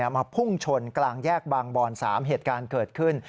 มาพุ่งชนกลางแยกบางบอน๓เหตุการณ์เกิดขึ้น